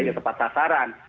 ya tepat sasaran